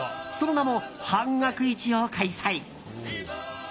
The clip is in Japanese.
その名も半額市を開催。